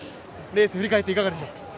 レース振り返っていかがでしょう？